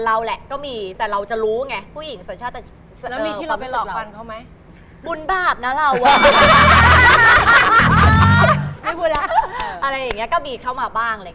อะไรอย่างนี้ก็มีเข้ามาบ้าง